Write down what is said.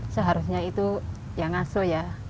seharusnya itu yang asuh ya